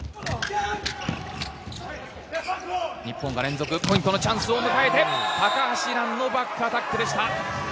日本が連続ポイントのチャンスを迎えて高橋藍のバックアタックでした。